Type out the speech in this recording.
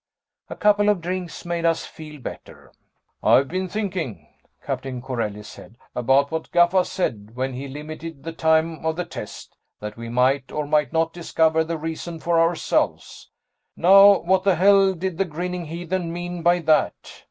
A couple of drinks made us feel better. "I've been thinking," Captain Corelli said, "about what Gaffa said when he limited the time of the test, that we might or might not discover the reason for ourselves. Now what the hell did the grinning heathen mean by that?